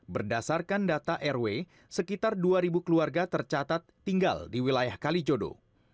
berdasarkan data rw sekitar dua keluarga tercatat tinggal di wilayah kalijodo